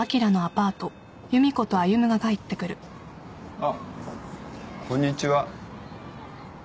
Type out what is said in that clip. ・あっこんにちは。